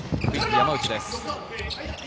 山内です。